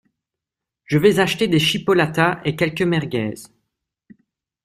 Je vais acheter des chipolatas et quelques merguez.